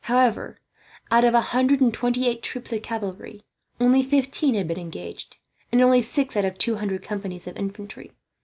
However, out of a hundred and twenty eight troops of cavalry, only fifteen had been engaged; and only six out of two hundred companies of infantry.